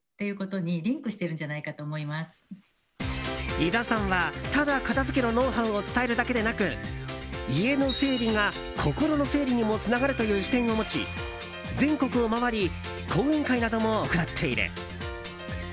井田さんはただ、片付けのノウハウを伝えるだけでなく家の整理が心の整理にもつながるという視点を持ち全国を回り講演会なども行っている。